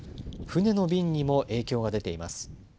船の便にも影響が出ています。